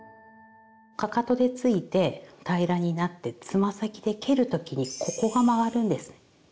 かかとでついて平らになってつま先で蹴る時にここが曲がるんです。